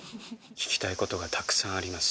聞きたいことがたくさんあります。